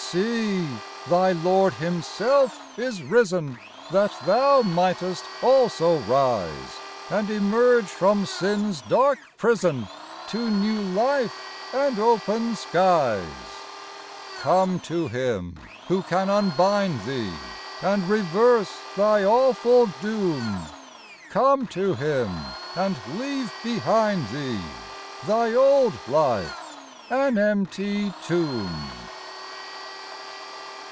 75 See ! thy Lord Himself is risen, That thou mightest also rise, And emerge from sin's dark prison To new life and open skies. Come to Him, who can unbind thee, And reverse thy awful doom ; Come to Him, and leave behind thee Thy old life — an empty tomb.